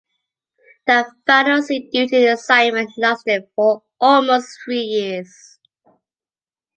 That final sea duty assignment lasted for almost three years.